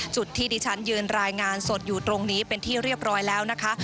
จุดที่ดิฉันยืนรายงานสดอยู่ตรงนี้เป็นที่เรียบร้อยแล้วนะคะ